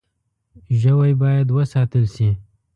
ژوی باید وساتل شي.